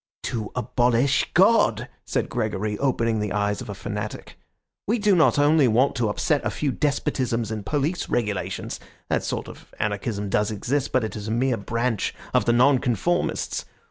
"To abolish God!" said Gregory, opening the eyes of a fanatic. "We do not only want to upset a few despotisms and police regulations; that sort of anarchism does exist, but it is a mere branch of the Nonconformists.